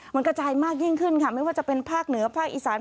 มันกระจายมากยิ่งขึ้นค่ะไม่ว่าจะเป็นภาคเหนือภาคอีสาน